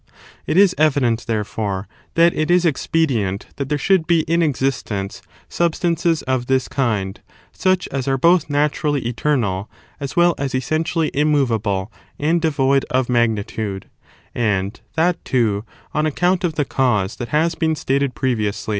It is evident, there fore, that it is expedient that there should be in existence sub stances of this kind, such as are both naturally eternal, as well as essentially immovable and devoid of magnitude, and that, too, on account of the cause that has been stated previously.